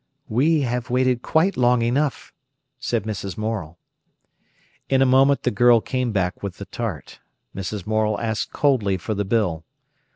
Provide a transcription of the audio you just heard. "We have waited quite long enough," said Mrs. Morel. In a moment the girl came back with the tart. Mrs. Morel asked coldly for the bill.